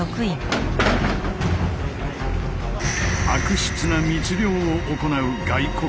悪質な密漁を行う外国船。